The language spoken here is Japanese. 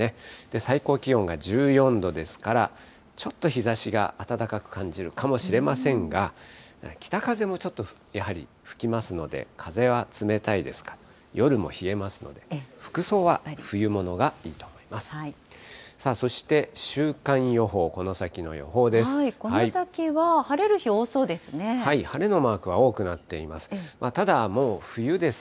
最高気温が１４度ですから、ちょっと日ざしが暖かく感じるかもしれませんが、北風もちょっとやはり吹きますので、風は冷たいですか、夜も冷えますので、服装は冬物がいいと思います。